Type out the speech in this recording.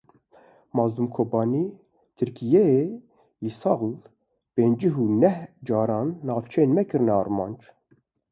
Mazlûm Kobanî Tirkiyeyê îsal pêncî û neh caran navçeyên me kirine armanc.